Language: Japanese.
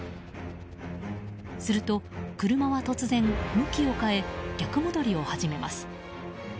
すると車は突然向きを変え逆戻りを始めます。